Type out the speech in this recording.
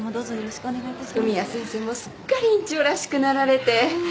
文也先生もすっかり院長らしくなられて。